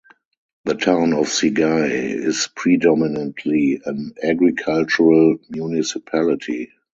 The town of Sigay is predominantly an agricultural municipality.